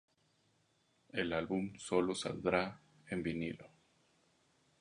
El álbum sólo saldrá en vinilo.